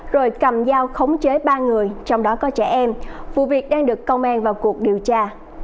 rồi cầm dao khống chế ba người trong đó có trẻ em vụ việc đang được công an vào cuộc điều tra